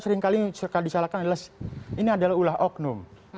ini adalah ulah oknum